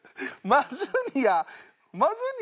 マジュニア。